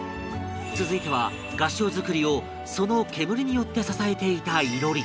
続いては合掌造りをその煙によって支えていた囲炉裏